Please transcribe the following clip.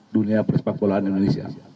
dunia perspektualan indonesia